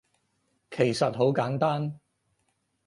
其實好簡單